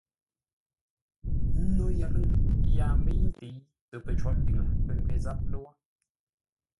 No yəlʉ̂ŋ yaa mbəi ntə̂i tə pəcó mbiŋə pə̂ ngwê záp lə́wó.